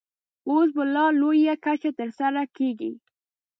اوس په لا لویه کچه ترسره کېږي.